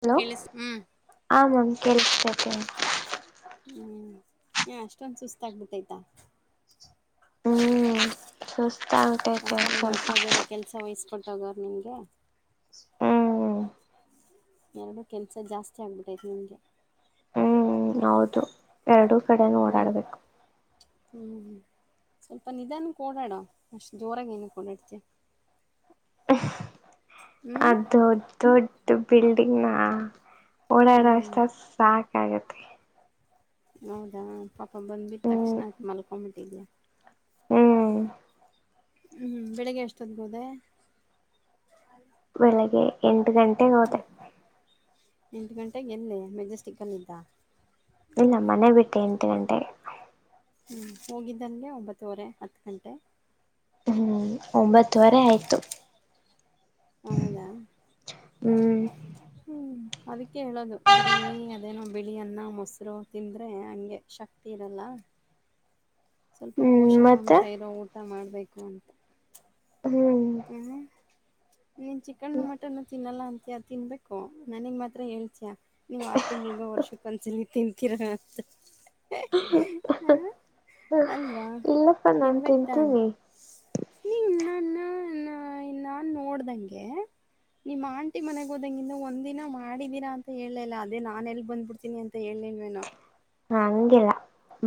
Hello ಕೇಳಿಸ ಹ್ಮ್ [inaudible] ಆ ಮಾಮ ಕೇಲಸ್ಟೈತೆ ಹ್ಮ್ ಅಷ್ಟೊಂದ ಸುಸ್ತ ಆಗ್ಬಿಟ್ಟೈ್ತಾ ಹ್ಮ್ ಸುಸ್ತ್ ಆಗ್ಬಿಟ್ಟೈತೆ ಸ್ವಲ್ಪ್ ಕೆಲ್ಸ ವಹಿಸ ಕೊೊಟ್ಟಗರ್ ನಿನ್ಗೆ ಹ್ಮ್ ಎರಡು ಕೆಲಸ ಜಾಸ್ತಿ ಆಗ್ಿಬಿಟ್ಟೈತ್ತು ನಿಮಗೆ ಹ್ಮ್ ಹೌದು ಎರಡೂ ಕಡೆ ಓಡಾಡ್ಬೇಕು ಹ್ಮ್ ಸ್ವಲ್ಪ ನಿಧಾನ ಓಡಾಡ ಅಷ್ಟ್ ಜೋರಾಗ ಏನ ಓಡಾಡ್ತಿ ಹ್ಞೂ ಅ ದೊಡ್ಡ ದೊಡ್ಡ ಬಿಲ್ಡಿಂಗ್ ನ ಹ್ಞೂ ಓಡಾಡೋ ಅಷ್ಟ ಸಾಕಾಗತ್ತೆ ಹೌದಾ ಪಾಪ ಬಂದ್ಬಟ್ಟ ಹ್ಮ್ ತಕ್ಷಣ ಆತ್ ಮಲ್ಕೊ್ಂಬಿಟ್ಟಿದ್ದೆ ಹ್ಮ್ ಹ್ಮ್ ಬೆಳಿಗ್ಗೆ ಎಷ್ಟೊದ್ಗೋದೆ ಬೆಳಿಗ್ಗೆ ಎಂಟು ಗಂಟೆ ಹ್ಮ್ ಎಂಟು ಗಂಟೆಗೆ ಹೆಲ್ಲೆ ಮೆಜೆಸ್ಟಿಕ್ ಅಲ್ಲಿದ್ದ ಇಲ್ಲ ಮನೆ ಬಿಟ್ಟೆ ಎಂಟು ಗಂಟೆ ಹ್ಞೂ ಹೋಗಿದ್ದಂಗೆ ಒಂಬತ್ತುವರೆ ಹತ್ತು ಗಂಟೆ ಹ್ಮ್ ಒಂಬತ್ತುವರೆ ಆಯ್ತು ಹೌದಾ ಹ್ಮ್ ಹ್ಮ್ ಅದಕ್ಕೆ ಹೇಳೋದು ಬರೀ ಅದೇನೋ ಬಿಳಿ ಅನ್ನ ಮೊಸರು ತಿಂದ್ರೆ ಹಂಗೆ ಶಕ್ತಿ ತೀರಲ್ಲ ಸ್ವಲ್ಪ ಹ್ಮ್ ಮತ್ತೆ ಪೋಷಕಾಂಶ ಇರೋ ಊಟ ಮಾಡ್ಬೇಕು ಅಂತ ಹ್ಮ್ ಹ್ಮ ನೀನ್ ಚಿಕನ್ನು ಮಟನ್ನು ತಿನ್ನಲ್ಲ ಅಂತಿಯ ತಿನ್ಬಿಟ್ಟು ಹ್ ನನಗ್ ಮಾತ್ರ ಹೇಲ್ತಿಯಾ ನೀವ್ ಆರು ತಿಂಗಳಿ ಗ ವರ್ಷಕ್ ಒಂದಸಲ ತಿನ್ತೀರಾ ಹ ಅಲ್ವಾ ಇಲ್ಲಪ್ಪ ನಾನ್ ತಿನ್ಬೇಕಕ್ ತಾನೆ ತಿಂತೀನಿ ನೀ ನನ್ನ ನಾನ್ ನೋಡ್ದಂಗೆ ನಿಮ್ಮ ಆಂಟಿ ಮನೆಗೆ ಹೋದಂಗಂದ ಒಂದ್ಿನ ಮಾಡಿದೀರಾ ಅಂತ ಹೇಳಲಲ್ಲ ಅದೇ ನಾನನ್ ಎಲ್ಲಿಗ್ ಬಂದ್ಬಿಡ್ತೀನಿ ಅಂತ ಸ ಎಳ್ಳ್ಣನು ವೇನ ಹ ಹಂಗಿಲ್ಲ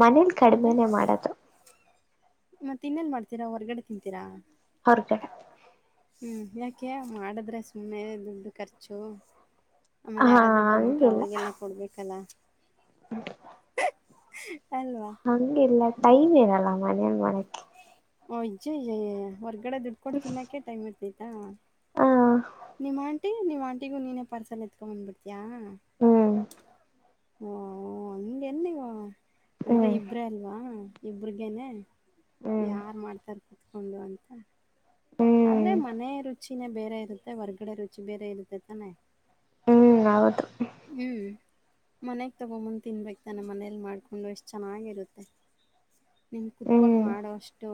ಮನೇಲಿ ಕಡಿಮೆನೇ ಮಾಡದು ಮತ್ತತ್ ತಿನ್ನೇಲ್ ಮಾಡ್ತೀರಾ ಹೊರ್ಗಡೆ ತಿಂತೀರಾ ಹರ್ ಜ ಹ್ಮ್ ಯಾಕೆ ಮಾಡಿದ್ರೆ ಸುಮ್ಮನೆ ದುಡ್ಡು ಖರ್ಚು ಆಮೇಲೆ ಹ ಯಾರಾದ್ರು ಬಂದ್ಬಿಟ್ರೆ ಹಂಗಿಲ್ಲ ಅವ್ರಿಗೆಲ್ಲ ಕೊಡ್ಬೇಕಲ್ಲ ಅಲ್ವಾ ಹಂಗಿಲ್ಲ ಟೈಮ್ ಇರಲ್ಲ ಮನೇನ್ ಮಾಡಕ್ಕೆ ಓಜ್ಜ ಹೊರ್ಗಡೆ ದುಡ್ಕೊಂಡು ತಿನ್ನಾಕೆ ಟೈಮ್ ಇರ್ತೈತಾ ಹಾ ನಿಮ್ಮ್ ಆಂಟಿ ನಿ್ ಆಂಟಿಗು ನೀನೇ ಪಾರ್ಸಲ್ ಎತ್ಕೊಂಬಂದ್ ಬಿಿಡ್ತಿಯಾ ಹ್ಮ್ ಓ ಹಂ ಎಲ್ಲಿಗ ಅಂದ್ರೆ ಹ್ಮ್ ಇಬ್ರೇ ಅಲ್ವಾ ಇಬ್ರಗೇನೆ ಹ್ಮ್ ಯಾರ್ ಮಾಡ್ತಾರ ಕುೂತ್ಕೊಂಡು ಅಂತ ಹ್ಮ್ ಆದ್ರೆ ಮನೆ ರುಚಿನೇ ಬೇರೆ ಇರುತ್ತೆ ಹೊರ್ಗಡೆ ರುಚಿ ಬೇರೆ ಇರುತ್ತೆ ತಾನೇ ಹ್ಮ್ ಹೌದು ಹ್ಮ್ ಮನೆಗ್ ತಗೊಬಂದ್ ತಿನ್ಬೇಕಕ್ ತಾನೆ ಮನೇಲಿ ಮಾಡ್ಕೊಂಡು ಎಷ್ಟ್ ಚೆನ್ನಾಗಿರುತ್ತೆ ನಿನ್ನ ಕುೂತ್ಕೊಂಡು ಹ್ಮ್ ಮಾಡೋಷ್ಟು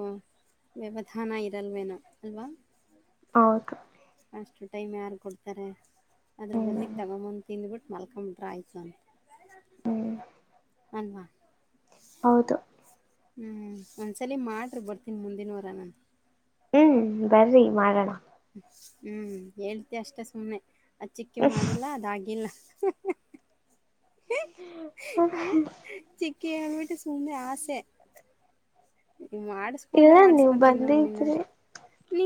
ವ್ಯವಧಾನ ಇರಲ್ವೇನೋ ಅಲ್ವಾ ಹೌದು ಅಷ್ಟು ಟೈಮ್ ಯಾರು ಕೊಡ್ತಾರೆ ಅದ್ರ ಹ್ಮ್ ಬದ್ಲಿಕ್ ತಗೊಂಬ್ ತಿಂದ್ಬಿಟ್ಟು ಮಲ್ಕೊಂಬಿಟ್ರೆ ಆಯ್ತು ಸ ಹ್ಞೂ ಅನ್ವಾ ಹೌದು ಹ್ಞೂ ಒಂದ್ಸಲ ಮಾಡ್ರಿ ಬರ್ತೀನಿ ಮುಂದಿನವರ ನಾನ ಹ್ಮ್ ಬರ್ರಿ ಮಾಡೋಣ ಹ್ಮ್ ಹೇಳ್ತಿ ಅಷ್ಟೇ ಸುಮಮ್ಮನೆ ಅ ಚಿಕ್ಕಿ ಮಾಡಿಲ್ಲ ಅದಾಗಿಲ್ಲ ಹ ಚಕ್ಕ ಬಿಟ್ಟ ಸುಮ್ಮನೆ ಆಸೆ ನೀ ಮಾಡಿಸಕೊಂಡೆ ಇಲ್ಲ ನೀವ್ ಮಾಡಿಸಕೊತೀನ್ಿ ನೋಡ್ ನೀನ್ನ ಬಂದಿದ್ರಿ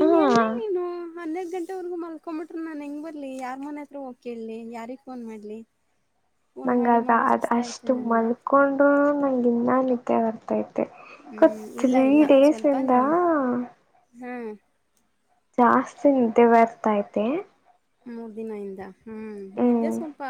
ಹಾ ಎಲ್ಲಿ ನೀನು ಹೆದ ಗಂಟೆವರೆಗೂ ಮಲ್ಕೊ್ಂಬಿಟ್ರು ನಾನನ್ ಹೆಂಗ ಬರ್ಲಿ ಯಾರ ಮನೆ ಹತ್ರ ಹೋಗಿ ಕೇಳಲಿ ಯಾರಿಿಗೆ ಫೋನ್ ಮಾಡ್ಲಿ [unintelligible] ನಂಗ ಅದ ಅದ್ ಅಷ್ಟು ಮಲ್ಕೊಂಡು ನಂಗ ಇನ್ನ ನತ್ಯ ಬರ್ತೈ ಮತ್ತ ಇಲ್ಲ ತ್ರತ್ರೀ ಡೇಸಿಂದ ಹ್ಮ್ ಜಾಸ್ತಿ ನಿದ್ದೆ ಬರ್ತೈತೆ ಮೂರ್ ದಿನ ಇದ ಹ್ಮ್ ನಿದ್ದೆ ಹ್ಮ್ ಸ್ವಲ್ಪ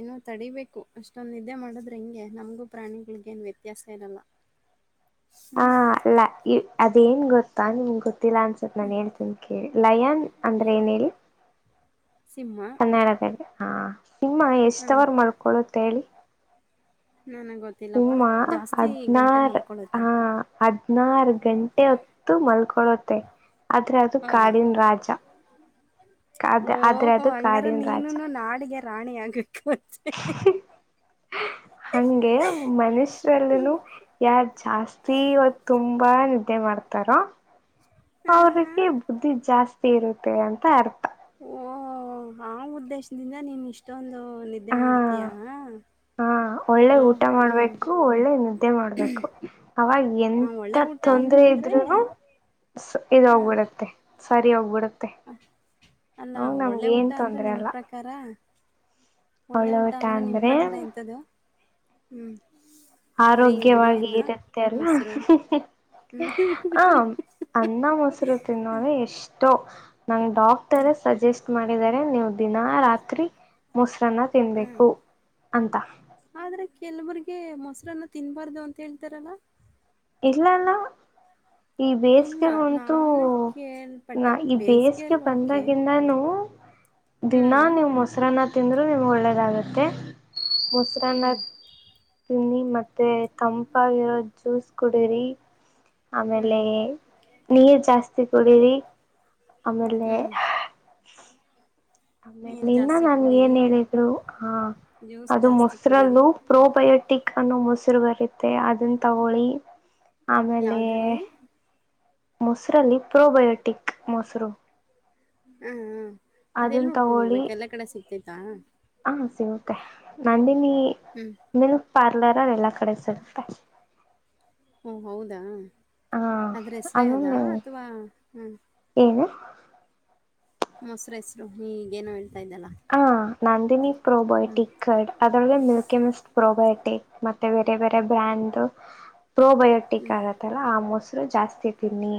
ಏನೋ ತಡಿೀಬೇಕು ಅಷ್ಟೊಂದು ನಿದ್ದೆ ಮಾಡಿದ್ರೆ ಹಿಂಗೆ ನಮಗೂ ಪ್ರಾಣಿಗಳಿಗೇನು ವ್ಯತ್ಯಾಸ ಇರಲ್ಲ [unintelligible] ಹಾ ಅಲ್ಲ ಈ ಅದೇನ್ ಗೊತ್ತಾ ನಿಮ್ ಗೊತ್ತಿಲ್ಲ ಅನ್ಸ ಸರ್ ನಾನನ್ ಹೇಳ್ತೀನಿ ಕೇಳಿ ಲಯನ್ ಏ ಅಂದ್ರೆ ಏನ ಹೇಳಿ ಸಿಂಹ ನಡಗ ಹಾ ನಿಮ್ಮ ಹಾಂ ಎಷ್ಟುವರು ಮಾಡ್ಕೊಳ್ಳೋಂತ ಹೇಳಿ ನಾನ್ ಗೊತ್ತ ಸುಮ ಹದ್ ನಾರು ಮಲ್ಕೊಳ್ಳುತ್ತಾ ಹಾ ಹದ್ ನಾರು ಗಂಟೆ ಹೊತ್ತು ಮಲ್ಕೊಳ್ಳುತ್ತೆ ಆದ್ರೆ ಅದು ಹೌದಾ ಕಾಡಿನ ರಾಜ ಅದ ಆದ್ರೆ ಓಹೋ ಅದು ಹಂಗಾರ ಕಾಡಿನ ರಾಜ ನೀನುನು ನಾಡಿಗೆ ರಾಣಿ ಆಗ್ ಅತ್ತೆ ಹಗೆ ಮನುಷ್ಯ್ರಲ್ಲನು ಯಾರ್ ಜಾಸ್ತಿ ಅವತ್ತು ತುಂಬಾ ನಿದ್ದೆ ಮಾಡ್ತಾರೋ ಹಾ ಹಾ ಅವ್ರಿಗೆ ಬುದ್ಧಿ ಜಾಸ್ತಿ ಇರುತ್ತೆ ಅಂತ ಅರ್ಥ ಹಾ ಆ ಉದ್ದೇಶದಿಂದ ನೀನ್ ಇಷ್ಟೊಂದು ನಿದ್ದೆ ಹಾ ಮಾಡ್ತೀಯಾ ಹಾ ಒಳ್ಳೆ ಹಾಂ ಊಟ ಹಾಂ ಮಾಡ್ಬೇಕು ಒಳ್ಳೆ ನಿದ್ದೆ ಮಾಡ್ಬೇಕು ಅವಾಗ ಎಂತ ಒಳ್ಳೆ ಊಟ ತೊಂದರೆ ಅಂದರೆ ಇದ್ೂನು ಇದೋಗ್ಬಿಡತ್ತೆ ಸರಿ ಹೋಗ್ಬಿಡುತ್ತೆ ಅ ಅಲ್ಲ ಅವಾಗ ಒಳ್ಳೆ ನಮ್ಗೆ ಊಟ ಏನ್ ಅಂದರು ತೊಂದ್ರೆ ನಿಮ ಅಲ್ಲ ಪ್ರಕಾರ ಒಳ್ಳೆ ಊಟ ಅಂದ್ರೆ ನಿಮ್ಮ ಪ್ರಕಾರ ಎಂಥದ್ದ ಹ್ ಆರೋಗ್ಯವಾಗಿ ಇರುತ್ತೆ ಅಲ್ಲ ಹ್ಞೂ ಹ ಅನ್ನ ಮೊಸರು ತಿನ್ನೋದ ಎಷ್ಟೋ ನಂ ಡಾಕ್ಟರ ಸಜೆಸ್ಟ್ ಮಾಡಿದರೆ ನೀವು ದಿನ ರಾತ್ರಿ ಮೊಸರನ್ನ ತಿನ್ಬೇಕು ಅಂತ ಆದ್ರೆ ಕೆಲವರಿಗೆ ಮೊಸರನ್ನು ತಿನ್ಬಾರ್ದು ಅಂತ ಹೇಳ್ತಾರಲ್ಲ ಇಲ್ಲಲ್ಲ ಈ ಇಲ್ಲ, ಬೇಸಗೆ ಅಂತೂ ನಾನು ನ ಕೇಳ್ಪಟ್ಟೆ. ಈ ಬೇಸ್ಗೆ ಬೇಸಿಗೆಯಲ್ಲಿ ಓಕೆ. ಬನ್ನಿ ದಿನಾ ಹ್ಮ್. ನೀವು್ ಮೊಸರನ್ನ ತಿಂದರೂ ನಿಮ್ಗೆ ಒಳ್ಳೆದಾಗುತ್ತೆ ಮೊಸರನ್ನ ಹ್ಮ್. ತಿನ್ನಿ ಮತ್ತೆ ತಂಪಾಗಿರೋ ಜ್ಯೂಸ್ ಕುಡಿಯರಿ ಆಮೇಲೆ ಹ್ಮ್. ನೀರ್ ಜಾಸ್ತಿ ಕುಡೀರಿ ಆಮೇಲೆ ಹ್ಮ್. ನೀರು ಆಮೇನ್ನ ಜಾಸ್ತಿ ನನ್ ಏನ್ ಕುಡೀರಿ. ಹೇಳಿದ್ರು ಹಾ ಜ್ಯೂಸ್ ಅದು ಜಾಸ್ತಿ ಕುಡೀರಿ. ಮೊಸ್ರಲ್ಲು ಪ್ರೋಬಯೋಟಿಕ್ ಅನ್ನೋ ಮೊಸರು ಬರುತ್ತೆ ಅದನ್ನ ತಗೊಳ್ಳಿ ಆಮೇಲೆ ಯಾವ್ದ್ರಲ್ಲಿ? ಮೊಸರಲ್ಲಿ ಪ್ರೊಬಯೋಟಿಕ್ ಮೊಸರು ಹಾ ಅದೆ ಎಲ್ಲಿ ಅದನ್ನ ಉುಡ್ಕೊಂಡ್ ಹೋಗ್ಬೇಕ ತಗೊಳ್ಳಿ ಎಲ್ಲ ಕಡೆ ಸಿಗ್ತೈತಾ ಹಾ ಸಿ ಕೆ ನಂದಿನಿ ಹ್ಮ್ ಮಿಲ್ಕ್ ಪಾರ್ಲರ್ಲ್ಲಿ ಎಲ್ಲ ಕಡೆ ಸಿಗುತ್ತೆ ಹ್ಞೂ ಹೌದಾ ಹ ಅದ್ರ ಹೆಸರೇ ಅದಾ ಆಮೇಲೆ ಅಥವಾ ಹ್ಞ ಏನು ಮೊಸರು ಹೆಸರು ಈಗೇನೋ ಹೇಳ್ತಾ ಇದ್ದಲ್ಲಾ ಹ ನಂದಿನಿ ಪ್ರೋಬರ್ ಟಕ್ಕಡ್ ಅದರಲ್ಲಿ ಮಿಲ್ಕಿ ಮಿಸ್ಟ್ ಪ್ರೋಬಯೋಟಿಕ್ ಮತ್ತೆ ಬೇರೆ ಬೇರೆ ಬ್ರ್ಯಾಂಡ್ ಪ್ರೋಬಯೋ ಕಟ್ಟಿ ಹ್ಮ್. ಕಡತ್ತಲ್ಲ ಆ ಮೊಸರು ಜಾಸ್ತಿ ತಿನ್ನಿ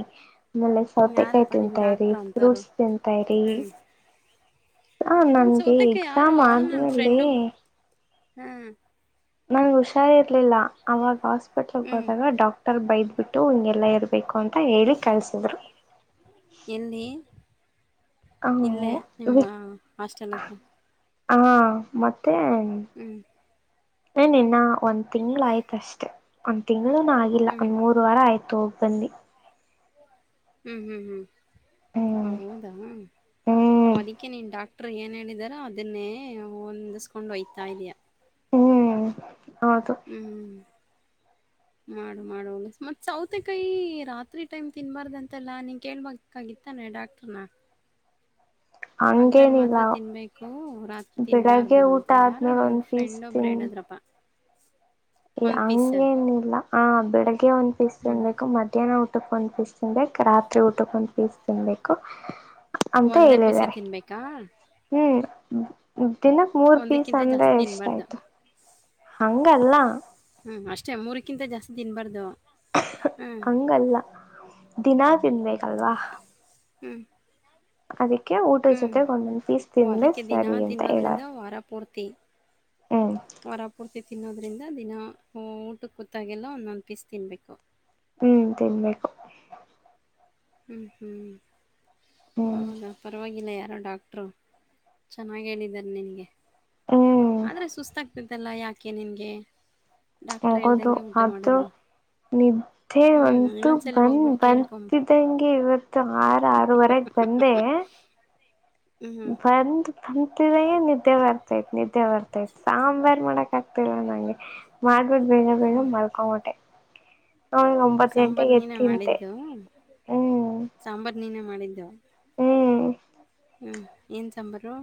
ಆಮೇಲೆ ಸೌತೆಕಾಯಿ ಯಾರಪ್ಪ ನಿಮ್ಮ ತಿಂತ ಇರಿ ಡಾಕ್ಟ್ರು ಅಂಥವ್ರು? ಫ್ರೂಟ್ಸ್ ತಿಂತ ಇರಿ ಹ್ಮ್. ಹ ಒಂದು ನನ್ಗೆ ಸೌತಕ್ಕೆ ಯಾರೋ ಎಕ್ಸಾಮ್ ನನ್ನ ಆದ್ಮೇಲೆ ಫ್ರೆಂಡು ಹಾ ನಂಗೆ ಹುಷಾರ ಇರ್ಲಿಲ್ಲ ಅವಾಗ ಹಾಸ್ಪಿಟ್ಲ್ಗೆ ಹ್ಮ್ ಹೋದಾಗ ಡಾಕ್ಟರ್ ಬೈದ ಬಿಟ್ಟು ಹಂಗೆಲ್ಲಾ ಇರ್ಬೇಕು ಬೇಕು ಅಂತ ಹೇಳಿ ಕಲಿಸಿದ್ರು ಎಲ್ಲಿ ಇಲ್ಲೇ ನಿಮ್ಮ ಹಾಸ್ಟೆಲ್ತ್ತ ಹಾ ಮತ್ತೆ ಹ್ಮ್ ನಿನ್ನ ಒಂದ್ ತಿಂಗ್ಗಳು ಆಯ್ತ ಅಷ್ಟೇ ಒಂದ್ ತಿಂಗಗಳು ಆಗಿಲ್ಲ ಹ್ಮ್ ಒಂದ್ ಮೂರು ವಾರ ಆಯ್ತು ಹೋಗಿಬಂದಿ ಹ್ಮಞ ಹ್ಮ್ ಹ್ಮ್ ಹೌದಾ ಹ್ಮ್ ಅದಕ್ಕೆ ನೀನ್ನು ಡಾಕ್ಟ್ರ ಏನ್ ಹೇಳಿದಾರ ಅದನ್ನೇ ಹೊಂದಿಸ್ಕೊಂಡು ಹೊಯ್ತಾ ಇದಯಾ ಹ್ಮ್ ಹೌದು ಹ್ಮ್ ಮಾಡು ಮಾಡುೋಗ ಮತ್ತತ್ ಸೌತೆ ಕಾಯಿ ರಾತ್ರಿ ಟೈಮ್ ತಿನ್ಬಾರ್ದ ಅಂತೆಲ್ಲ ನೀನ್ ಕೇಳ್ಬ ಕಾಗಿತ್ತಾನೆ ಡಾಕ್ಟ್ರನ ಹಗಲ್ ಹಂಗೇನಿಲ್ಲ ಮಾತ್ರ ತಿನ್ಬೇಕು ರಾತ್ರಿ ಬೆಳಗ್ಗೆ ತಿನ್ಬಾರ್ದು ಅಂತ ಊಟ ಯಾರು ಆದ್ಮೇಲೆ ನನ್ನ ಒಂದ್ ಪೀಸ್ ಫ್ರೆಂಡ್ ಒಬ್ಬ ಎಡದ್ರಪ್ಪ [unintelligible] ಹಂಗಗೆ ಏನಿಲ್ಲ ಹ ಬೆಳಿಗ್ಗೆ ಒಂದ್ ಪೀಸ್ ಹ್ಞೂ ತಿನ್ ಬೇಕು ಮಧ್ಯಾಹ್ನ ಊಟಕ್ಕೆ ಒಂದ್ ಪೀಸ್ ಸ್ ತಿನ್ಬೇಕು ರಾತ್ರಿ ಊಟಕೊಂದು ಪೀಸ್ ತಿನ್ಬೇಕು ಅಂತ ಒಂದೇ ಪೀಸೇ ಹೇಳಿದ್ದಾರೆ ತಿನ್ನಬೇಕಾ ಹ್ಮ್ ದಿನಕ್ ಮೂರ್ ಪೀಸ್ ಒಂದಕ್ಕಿಂತ ಅಂದ್ರೆ ಜಾಸ್ತಿ ಎಷ್ಟ ತಿನ್ಬಾರ್ದು ಆಯ್ತು ಹಂಗಲ್ಲ ಹ್ಞೂ ಅಷ್ಟೇ ಮೂರಕ್ಕಿಂತ ಜಾಸ್ತಿ ತಿನ್ಬಾರ್ದು ಹ್ಞ ಹಂಗಲ್ಲ ದಿನಾ ತಿನ್ಬೇಕಲ್ವಾ ಹ್ಮ್ ಅದಕ್ಕೆ ಊಟದ ಹ್ಮಞ ಜೊತೆಗೆ ಒಂದೊಂದ್ ಪೀಸ್ ಓ ತಿಂದ್ರೆ ಅದಕ್ಕೆ ದಿನ ಸರಿ ಅಂತ ಹೇಳಾರ ತಿನ್ನೋದ್ರಿಂದ ವಾರ ಪೂರ್ತಿ ಹ್ಮ್ ವರ ಪೂರ್ತಿ ತಿನ್ನೋದ್ರಿಂದ ದಿನ ಊಟ ಕೂತಾಗೆಲ್ಲ ಒಂದೊಂದು್ ಪೀಸ್ ತಿನ್ಬೇಕು ಹ್ಮ್ ತಿನ್ಬೇಕು ಹ್ಞೂ ಹ್ಞ ಹ್ಮ್ ಹೌದಾ ಪರವಾಗಿಲ್ಲ ಯಾರೋ ಡಾಕ್ಟ್ರು ಚೆನ್ನಾಗ ಹೇಳಿದ್ದಾರೆ ನಿನ್ಗೆ ಹ್ಮ್ ಆದ್ರೆ ಸುಸ್ತಾಗಗ್ತಿದ್ದಲ್ಲ ಯಾಕೆ ನಿನ್ಗೆ ಹೋಗೋದು ಆದೂ ನಿದ್ದೆ ಹ್ಞೂ ಒಂತ ಇನ್ನೊಂದ್ಸಲಿ ಬಂದ ಹೋಗ್ಬಿಟ್ಟು ಕೇಳ್ಕೊಂಬ ಬಿದ್ದ ಮತ್ತಂಗೆ ಇವತ್ತು ಆರು ಆರವರೆಗೆ ಬಂದೆ ಹ್ಞೂ ಬಂದ ಬಂತಿದ ನಿದ್ದೆ ಬರ್ತೈತ್ ನಿದ್ದೆ ಬರ್ತೈತ್ ಸಾಂಬಾರ್ ಮಾಡಕ್ ಆಗ್ತಿಲ್ಲ ನಂಗೆ ಮಾಡ್ಬಿಟ್ಟು ಬೇಗ ಬೇಗ ಮಾಡಲ್ಕೊಟೆ ನ ಒಂಬತ್ ಸಾಂಬಾರು ಗಂಟೆಗೆ ಎ ನೀನೇ ತಿಂತೆ ಸಾಂಬಾರ್ ನೀನೇ ಮಾಡಿದ್ದವು ಹ್ಮ್ ಹ್ಞೂ ಏನು ಸಾಂಬಾರು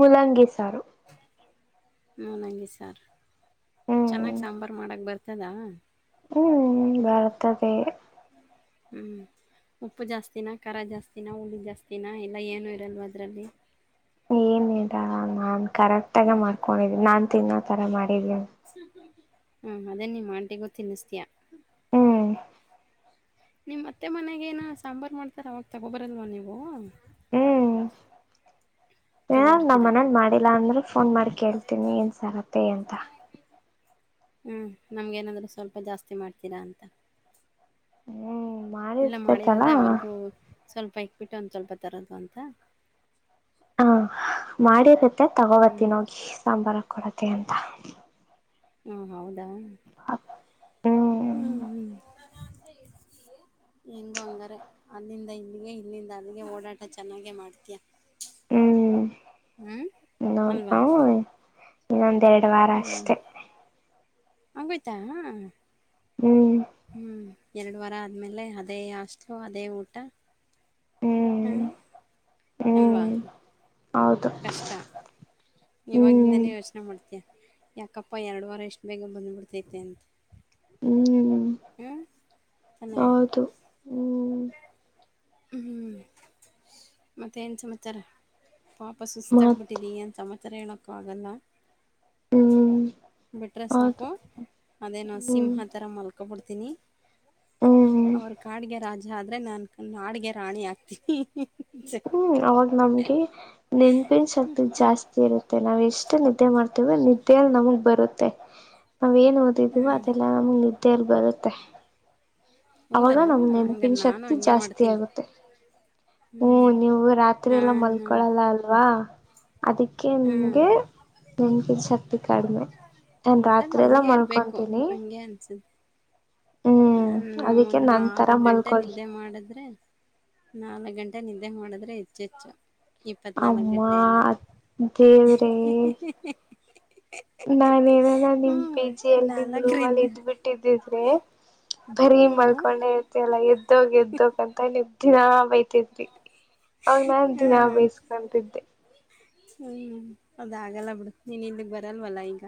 ಮುಲಂಗೀಿಸಾರು ಹ ನಗೆ ಸರ್ ಚೆನ್ನಾಗ್ ಹ್ಮ್ ಸಾಂಬಾರ್ ಮಾಡಕ್ ಬರ್ತದಾ ಹ ಭಾರತದ ಹ್ಮ್ ಉಪ್ಪು ಜಾಸ್ತಿನ ಖರ ಜಾಸ್ತಿನಾ ಹುಳಿ ಜಾಸ್ತಿನ ಎಲ್ಲ ಏನೂ ಇರಲ್ವ ಅದರಲ್ಲಿ ಏನರಾ ನಾನ್ ಕರೆಕ್ಟಗ ಹ್ಞೂ ಮಾಡ್ಕೊಂಡಿದೀನಿ ನಾನ್ ತಿನ್ನೋತರ ಮಾಡಿದೀಂತ ಹಾ ಅದೇ ನೀ ಆಂಟಿ ಗೊ ತಿನ್ನ್ತೀಯಾ ಹ್ಮ್ ನಿಮ್ಮ್ ಅತ್ತೆ ಮನೆಗೆ ಏನು ಸಾಂಬಾರ್ ಮಾಡ್ತಾರ ಅವಾಗ ತಗೊಬರಲ್ವಾ ನೀವು ಹ್ಮ್ ಏನ ನಮ್ಮ್ ತಗೊಬರ್ತೀರಾ ಮನಲ್ ಮಾಡಿಲ್ಲಾ ಅಂದ್ರೆ ಫೋನ್ ಮಾಡಿ ಕೇಳ್ತೀನಿ ಏನ್ ಸಾರ್ ಅತ್ತೆ ಅಂತ ಹ್ಮ್ ನಮ್ಗ ಏನಾದ್ರರು ಸ್ವಲ್ಪ ಜಾಸ್ತಿ ಮಾಡ್ತೀರಾ ಅಂತ ಹ್ಮ್ ಮಾತ್ ಇಲ್ಲ ಮಾಡಿರೋದೇ ಅವ್ರಿಗೂ ಸ್ವಲ್ಪ ಇಕ್ಬಿಟ್ಟು ಒಂದ ಸ್ವಲ್ಪ ತರೋದು ಅಂತ ಹಾ ಮಾಡಿರುತ್ತೆ ಹ್ಞೂ ತಗೊಳ್ತೀನಿ ಹೋಗಿ ಸಾಂಬಾರ್ ಹಾಕ್ ಕೊಡತ್ತೆ ಅಂತ ಹ್ಮ್ ಹೌದಾ ಹ್ಮ್ ಹ್ಮ್ ಹ್ಮ ಹೆಂಗೋ ಹಂಗಾರೆ ಅಲ್ಲಿಂದ ಇಲ್ಲಿಗೆ ಇಲ್ಲಿಂದ ಅಲ್ಲಿಗೆ ಓಡಾಟ ಚೆನ್ನಾಗೆ ಮಾಡ್ತಯ ಹ್ಮ್ ಅಲ್ವಾ [unintelligible] ಇನ್ನೊಂದೆರಡು ವಾರ ಹ್ಞೂ ಅಷ್ಟೇ ಆಗೋಯ್ತಾ ಹ್ಮ್ ಹ್ಮ್ ಎರಡು ವಾರ ಆದ್ಮೇಲೆ ಅದೇ ಹಾಸ್ಟೆಲು ಅದೇ ಊಟ ಹ್ಞೂ ಹ್ಮ್ ಅಲ್ವಾ ಹ್ಮ್ ಹೌದು ಕಷ್ಟ ಹ್ಮ್ ಇವಾಗಿಂದನೆ ಯೋಚನೆ ಮಾಡ್ತ ಯಾಕಪ್ಪ ಎರಡು ವಾರ ಇಷ್ಟ ಬೇಗ ಬಂದ್ಬಿಡ್ತೈತೆ ಅಂತ ಹ್ಮ್ ಹ್ಞೂ ತಾನೇ ಹೌದು ಹ್ಮ್ ಹ್ಮ್ ಮತ್ತೆ ಏನ್ ಸಮಾಚಾರ ಪಾಪ ಸುಸ್ತಾಗ್ ಬಿಟ್ಟು ಮತ್ ಏನ್ ಸಮಾಚಾರ ಹೇಳಕ್ಕೂ ಆಗಲ್ಲ ಹ್ಮ್ ಬಿಟ್ರೆ ಹೌದು ಸಾಕು ಅದೇ ನಾ ಹ್ಮ್ ಸಿಂಹ ತರ ಮಲ್ಕೊಬಿಡ್ತೀನಿ ಹ್ಮ್ ಅವ್ರ ಕಾಡ್ಗೆ ರಾಜ ಆದ್ರೆ ನನ್ ಕಾಡ್ಗೆ ರಾಣಿ ಆಗ್ತೀನಿ ಹ್ಮ್ ಅವಾಗ ನಮ್ಗೆ ನೆನ್ಪಿನ ಶಕ್ತಿ ಹ್ಮ್ ಜಾಸ್ತಿ ಇರುತ್ತೆ ನಾವ್ ಎಷ್ಟು ನಿದ್ದೆ ಮಾಡ್ ನಿದ್ದೆ ನಮಗ್ ಬರುತ್ತೆ ನಾವ್ ಏನ್ ಓದಿದೀವೋ ಹ್ಮ್ ಅದೆಲ್ಲಾ ನಮಗ್ ನಿ ತೆರ್ ಬರುತ್ತೆ ಹೌದಾ ಅವಾಗ ನಮ್ ಹಂಗಾರೆ ನೆನಪಿನ ನಾನು ಶಕ್ತಿ ಹಂಗೆ ಜಾಸ್ತಿ ಮಾಡ್ತೀನಿ ಆಗುತ್ತೆ ಹ್ಮ್ ನೀವು ರಾತ್ರಿ ಎಲ್ಲ ನಾನು ಮಲ್ಕೊಳಲ್ಲ ಅಲ್ವಾ ಅದಕ್ಕೆ ಹ್ಮ್ ನಿಮ್ಗೆ ನೆನಪಿನ ಶಕ್ತಿ ಕಡಿಮೆ [unintelligible] ರಾತ್ರಿ ಎಲ್ಲಾ ಮಲ್ಕೊಂತೀನಿ ಗ್ಯಾನ್ಸ್ ನಾನು ಅದಕ್ಕೆ ನನ್ ತರ ನಾಲ್ಕ್ ಗಂಟೆ ಮಲ್ಕೊಳ್ಳಿ ನಿದ್ದೆ ಮಾಡಿದ್ರೆ ನಾಲ್ಕ್ ಗಂಟೆ ನಿದ್ದೆ ಮಾಡಿದ್ರೆ ಹೆಚ್ಚ ಹೆಚ್ಚು ಇಪ್ಪನಾಲಕ್ಕು ಅಮ್ಮ ಗಂಟೆನೆ ದೇವ್ರೇ ನಾನ್ ನಾನ ಹ್ಞೂ ನಿಮ್ ಪಿ ಜಿ ಅಲ್ಲಿ ನಿಮ್ ರೂಮ್ ಅಲ್ಲಿ ನಾಲ್ಕರಿಂದ ಇದ್ ಬಿಟ್ಟಿದ್ದಿದ್ರಿ ಬರಿ ಹ್ಞೂ ಮಲ್ಕೊಂಡೆ ಇರ್ತ ಅಲ್ಲ ಎದ್ದೋಗ ಎದ್ದೋಗಂತ ನಿನ್ಗ್ ದಿನ ಬೈ [unintelligible] ಅವನ್ ನಾನ್ ದಿನಾ ಬಯಸ್ಕೊಂತಿದ್ದೆ. ಹ್ಮ್ ಅದಾಗಲ್ಲ ಬಿಡು ನೀನ್ ಇಲ್ಲಿಗ್ ಬರಲ್ವಲ್ಲ ಈಗ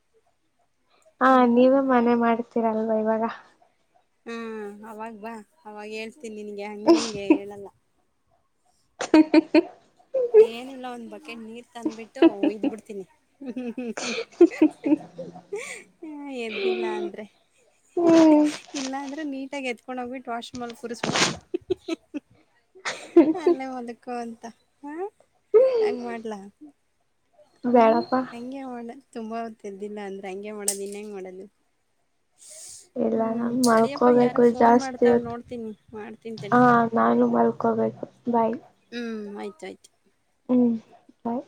[inaudible] ಹಾ ನೀವೇ ಮನೆ ಮಾಡ್ತೀರಲ್ವಾ ಇವಾಗ ಹ್ಮ ಅವಾಗ್ ಬಾ ಅವಾಗ ಹೇಳ್ತೀನಿ ನಿನ್ಗೆ ಹಂಗಿಂಗೆ ಹೇಳಲ್ಲ [unintelligible] ಏನಿಲ್ಲ ಒಂದ್ ಬಕೆಟ್ ನೀರ್ ತಂದ್ಬಿಟ್ಟು ಉಯಿದ್ ಬಿಡ್ತೀನಿ ಹ್ಮ್ ಹ್ಮ್ ಹ್ಮ್ ಹ್ಮ ಎದ್ದಿಲ್ಲ ಅಂದ್ರೆ ಹ್ಮ್ ಇಲ್ಲಾಂದ್ರೆ ನೀಟಾಗಿ ಎತ್ಕೊಂಡೋಗ್ಬಿಟ್ಟು ವಾಷ್ ಮಾಲ್ ಕೂರಿಸ್ಬಿಡ್ತೀನಿ ಅಲ್ಲೇ ಮದಕು ಅಂತ ಹಾ ಹಂಗ ಮಾಡ್ಲಾ ಹ್ಮ್ ಬೇಡಪ್ಪಾ ಹಂಗೆ ಮಾಡ ತುಂಬ ಅವತ್ತ ಇದದ್ದಿಲ್ಲ ಅಂದ್ರೆ ಹಂಗೆ ಮಾಡೋದು ಇನ್ ಹೆಂಗ್ ಮಾಡೋದು ಇಲ್ಲ ಹ್ಮ್ ನಾನ್ ಸಡಿಯಪ್ಪಾ ಯಾರು ಮಲ್ಕೋಬೇಕು ಫೋನ್ ಜಾಸ್ತಿ ಮಾಡ್ತಾವ್ ಹೊತ್ತು ನೋಡ್ತೀನಿ ಮಾಡ್ತೀನ್ಿ ತಳ ಹಾ ನಾನು ಮಲ್ಕೋಬೇಕು ಬಾಯ್ ಹ್ಮ್ ಆಯ್ತಾಯ್ತು ಹ್ಮ್ ಬಾಯ್